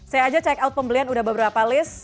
saya aja check out pembelian udah beberapa list